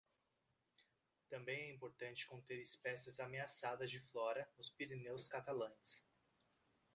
Também é importante conter espécies ameaçadas de flora nos Pireneus catalães.